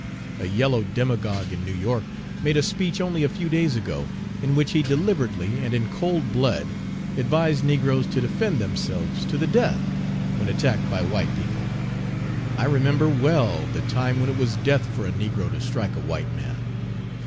A yellow demagogue in New York made a speech only a few days ago, in which he deliberately, and in cold blood, advised negroes to defend themselves to the death when attacked by white people! I remember well the time when it was death for a negro to strike a white man."